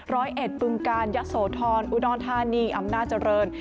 ร้อยเอ็ดบึงกาลยะโสธรอุดรธานีอำนาจเจริญ